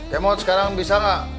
kemot sekarang bisa gak